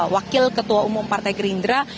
wakil ketua umum partai gerindra